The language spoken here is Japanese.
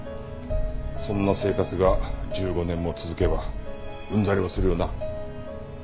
そんな生活が１５年も続けばうんざりもするよな。